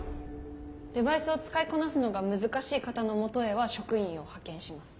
デバイスを使いこなすのが難しい方のもとへは職員を派遣します。